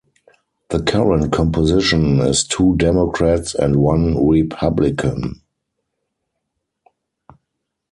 The current composition is two Democrats and one Republican.